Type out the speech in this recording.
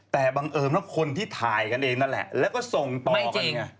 แต่บังเอิญว่าคนที่ถ่ายกันเองนั่นแหละแล้วก็ส่งต่อกันไง